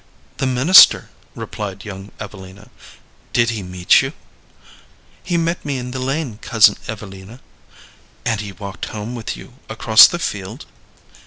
"The minister," replied young Evelina. "Did he meet you?" "He met me in the lane, Cousin Evelina." "And he walked home with you across the field?"